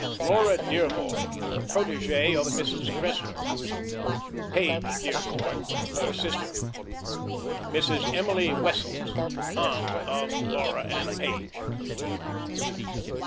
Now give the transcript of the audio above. LAURA DEARBORN, protege of Mrs. Cressler. PAGE DEARBORN, her sister. MRS. EMILY WESSELS, aunt of Laura and Page.